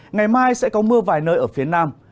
ngày mai sẽ có mưa vài nơi ở phía nam